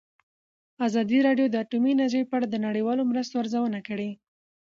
ازادي راډیو د اټومي انرژي په اړه د نړیوالو مرستو ارزونه کړې.